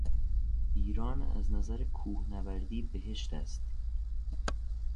ایران از نظر کوه نوردی بهشت است.